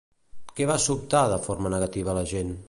Què va sobtar de forma negativa l'agent?